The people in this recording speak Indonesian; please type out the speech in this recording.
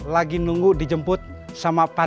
lagi nunggu dijemput sama partner saya